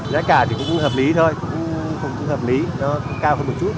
giá cả thì cũng hợp lý thôi cũng hợp lý nó cao hơn một chút